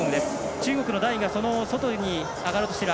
中国の代が外に上がろうとしている。